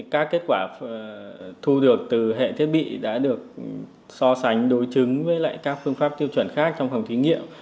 các kết quả thu được từ hệ thiết bị đã được so sánh đối chứng với các phương pháp tiêu chuẩn khác trong phòng thí nghiệm